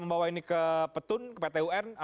membawa ini ke petun ke pt un